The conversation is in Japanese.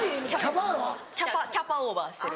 キャパキャパオーバーしてる。